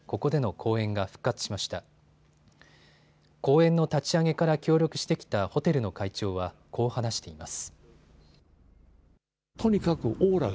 公演の立ち上げから協力してきたホテルの会長はこう話しています。